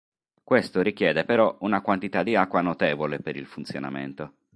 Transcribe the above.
Questo richiede però una quantità di acqua notevole per il funzionamento.